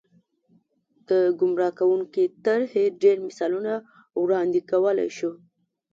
د ګمراه کوونکې طرحې ډېر مثالونه وړاندې کولای شو.